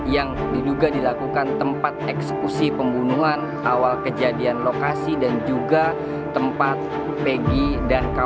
yang juga dilakukan tempat eksekusi pembunuhan awal kejadian lokasi dan juga tempat peggy tinggal